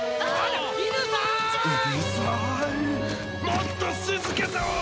もっと静けさを！